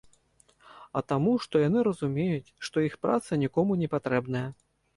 А таму, што яны разумеюць, што іх праца нікому не патрэбная.